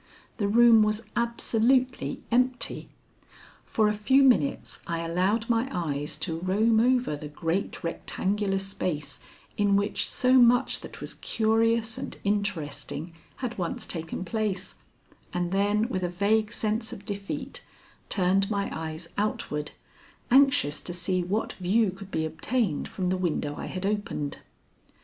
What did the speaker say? The room was absolutely empty. For a few minutes I allowed my eyes to roam over the great rectangular space in which so much that was curious and interesting had once taken place, and then, with a vague sense of defeat, turned my eyes outward, anxious to see what view could be obtained from the window I had opened.